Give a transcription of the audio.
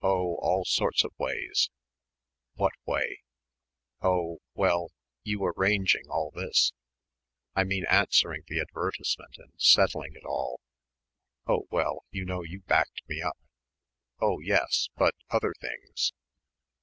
"Oh all sorts of ways." "What way?" "Oh well you arranging all this I mean answering the advertisement and settling it all." "Oh well, you know you backed me up." "Oh yes, but other things...."